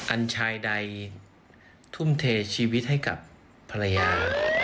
อันชายใดทุ่มเทชีวิตให้กับภรรยา